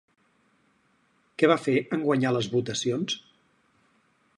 Què va fer en guanyar les votacions?